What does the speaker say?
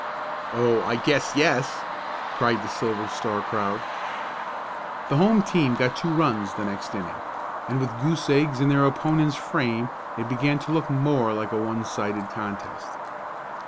"Oh, I guess yes!" cried the Silver Star crowd. The home team got two runs the next inning, and with goose eggs in their opponents' frame it began to look more like a one sided contest.